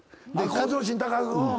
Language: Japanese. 向上心高くうん。